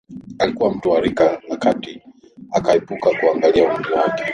Alikuwa mtu wa rika la kati akapekua kuangalia umri wake